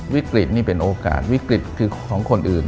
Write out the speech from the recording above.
วิกฤตนี่เป็นโอกาสวิกฤตคือของคนอื่น